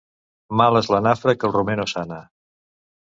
Mala és la nafra que el romer no sana.